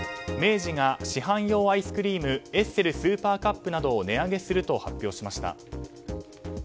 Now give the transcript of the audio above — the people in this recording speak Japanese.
明治が市販用アイスクリームエッセルスーパーカップなどを値上げすると発表しました。